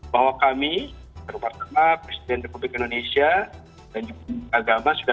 bahwa kami terutama presiden republik indonesia dan jumlah agama